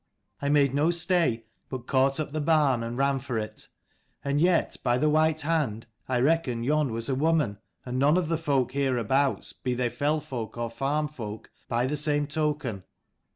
I made no stay, but caught up the barn and ran for it. And yet by the white hand, I reckon yon was a woman ; and none of the folk hereabouts, be they fell folk or farm folk, by the same token.